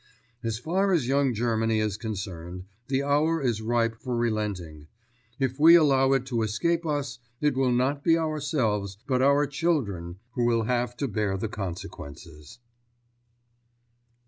As far as young Germany is concerned, the hour is ripe for relenting. If we allow it to escape us, it will not be ourselves, but our children who will have to bear the consequences.